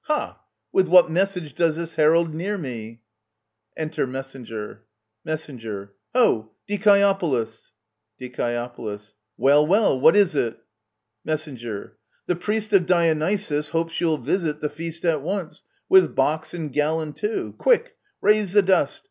Ha ! with what message does this herald near me ! Enter Messenger. Mess. Ho ! Dicseopolis ! Die. Well, well ; what is it ? Mess. The priest of Dionysus hopes you'll visit The feast at once — with box and gallon too — Quick ! Raise the dust